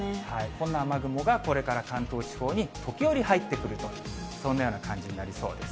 こんな雨雲が、これから関東地方に時折入ってくると、そんなような感じになりそうです。